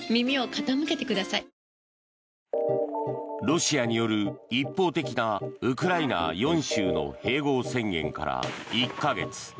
ロシアによる、一方的なウクライナ４州の併合宣言から１か月。